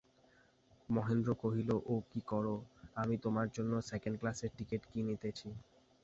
মহেন্দ্র কহিল, ও কী কর, আমি তোমার জন্য সেকেণ্ড ক্লাসের টিকিট কিনিতেছি।